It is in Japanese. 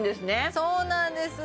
そうなんです